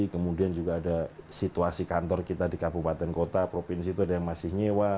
kemudian juga ada situasi kantor kita di kabupaten kota provinsi itu ada yang masih nyewa